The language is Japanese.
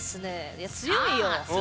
いや強いよ。